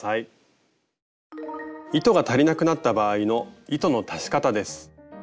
糸が足りなくなった場合の糸の足し方です。